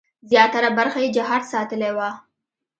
زیاتره برخه یې جهاد ساتلې وه.